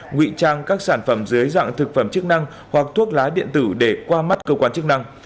nguy trang các sản phẩm dưới dạng thực phẩm chức năng hoặc thuốc lá điện tử để qua mắt cơ quan chức năng